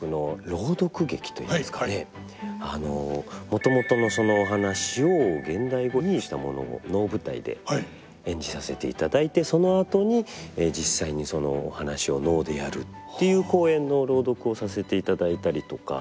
もともとのそのお話を現代語にしたものを能舞台で演じさせていただいてそのあとに実際にそのお話を能でやるっていう公演の朗読をさせていただいたりとか。